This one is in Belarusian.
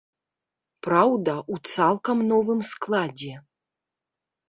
Праўда, у цалкам новым складзе.